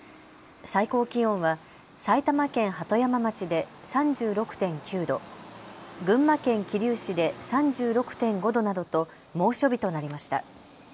最高気温は埼玉県鳩山町で３６．９度、群馬県桐生市で３６．５度などと猛暑日となりました。